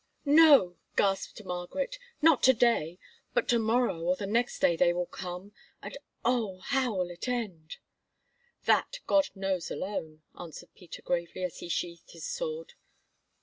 "No," gasped Margaret, "not to day, but to morrow or the next day they will come, and oh! how will it end?" "That God knows alone," answered Peter gravely as he sheathed his sword.